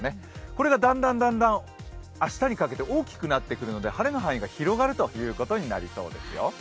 これがだんだん明日にかけて大きくなってくるので晴れの範囲が広がるということになりそうですよ。